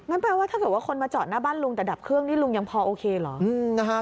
แปลว่าถ้าเกิดว่าคนมาจอดหน้าบ้านลุงแต่ดับเครื่องนี่ลุงยังพอโอเคเหรอ